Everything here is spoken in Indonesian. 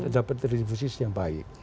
dapat distribusi yang baik